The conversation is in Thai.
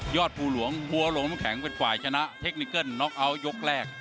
ยอดภูหลวงหัวลมแข็งเป็นฝ่ายชนะเทคนิกเกิ้ลน็อคเอาท์ยกแรก